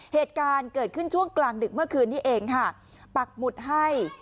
เหตุการณ์เกิดขึ้นช่วงกลางดึกเมื่อคืนนี้เองค่ะปักหมุดให้